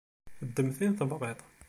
Ddem tin tebɣiḍ.